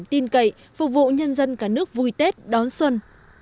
tin cậy phục vụ nhân dân cả nước vui tết đón xuân